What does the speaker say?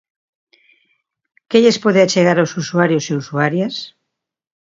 Que lles pode achegar aos usuarios e usuarias?